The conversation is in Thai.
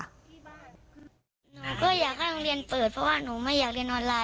หนูก็อยากให้โรงเรียนเปิดเพราะว่าหนูไม่อยากเรียนออนไลน